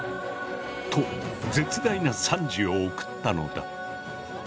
と絶大な賛辞を贈ったのだ。